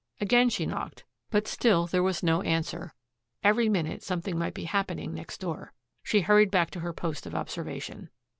Again she knocked, but still there was no answer. Every minute something might be happening next door. She hurried back to her post of observation.